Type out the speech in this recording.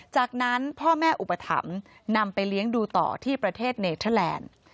จากนั้นพ่อแม่อุปถัมภ์นำไปเลี้ยงดูต่อที่ประเทศเนเทอร์แลนด์